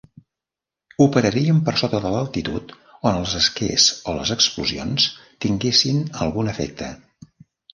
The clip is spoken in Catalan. Operarien per sota de l'altitud on els esquers o les explosions tinguessin algun efecte.